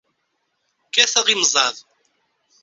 Kkateɣ imẓad.